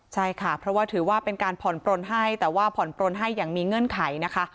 ใช่ค่ะเพราะว่าถือว่าเป็นการผ่อนปลนให้แต่ว่าผ่อนปลนให้อย่างมีเงื่อนไขนะคะ